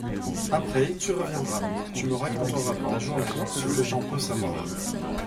Après, tu reviendras … Tu me raconteras de ta journée ce que j'en peux savoir.